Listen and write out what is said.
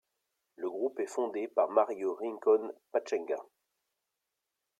Le groupe est fondé par Mario Rincón Pachanga.